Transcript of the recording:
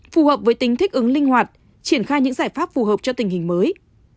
phù hợp với tính thích ứng linh hoạt triển khai những giải pháp phù hợp cho tình hình mới